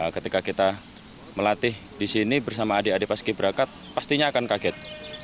ketika kita melatih disini bersama adik adik paskiberaka pastinya akan kaget